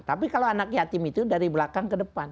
tapi kalau anak yatim itu dari belakang ke depan